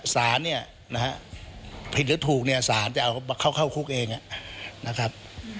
สารเนี่ยนะฮะผิดหรือถูกเนี่ยสารจะเอาเข้าคุกเองนะครับ